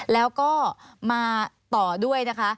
แล้วก็มาต่อด้วยนะคะ